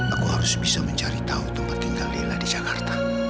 aku harus bisa mencari tahu tempat tinggal lila di jakarta